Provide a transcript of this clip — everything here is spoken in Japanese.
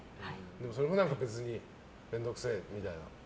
それも別に面倒くせえみたいな？